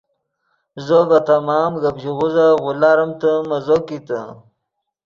زو ڤے تمام گپ ژیغوزف غولاریمتے مزو کیتے